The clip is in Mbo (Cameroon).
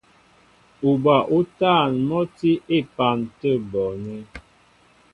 Uba útân mɔ́ tí á epan tə̂ bɔɔnɛ́.